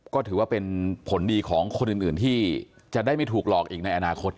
ก็ถือว่าเป็นผลดีของคนอื่นที่จะได้ไม่ถูกหลอกอีกในอนาคต